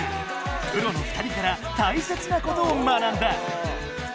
プロの２人からたいせつなことを学んだ。